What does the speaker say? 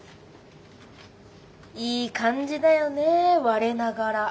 いい感じだよね我ながら。